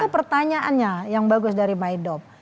itu pertanyaannya yang bagus dari maidop